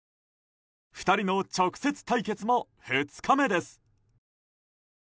２人の直接対決も２日目です。